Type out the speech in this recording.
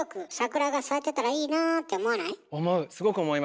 すごく思います。